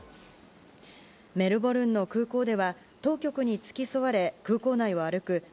メルボルンの空港では当局に付き添われ空港内を歩く